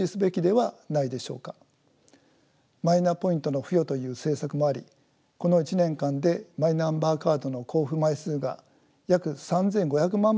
マイナポイントの付与という政策もありこの１年間でマイナンバーカードの交付枚数が約３，５００万枚も急激に増えました。